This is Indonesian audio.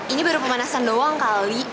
ini baru pemanasan doang kali